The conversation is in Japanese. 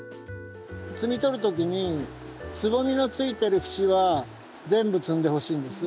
摘み取る時につぼみのついてる節は全部摘んでほしいんです。